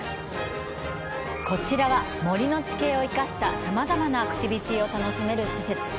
こちらは、森の地形を生かしたさまざまなアクティビティを楽しめる施設。